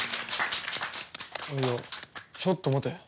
いやちょっと待て。